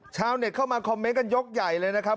ชาวเน็ตเข้ามาคอมเมนต์กันยกใหญ่เลยนะครับ